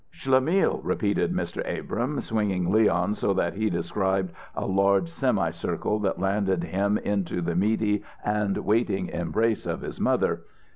"Schlemmil!" repeated Mr. Abrahm, swinging Leon so that he described a large semi circle that landed him into the meaty and waiting embrace of his mother.